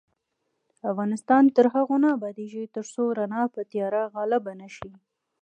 افغانستان تر هغو نه ابادیږي، ترڅو رڼا پر تیاره غالبه نشي.